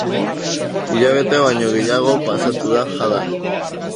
Hilabete baino gehiago pasatu da jada.